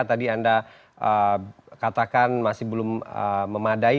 tadi anda katakan masih belum memadai